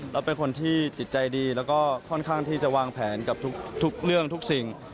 แล้วเป็นคนที่จิตใจดีแล้วก็ค่อนข้างที่จะวางแผนกับทุกเรื่องทุกสิ่ง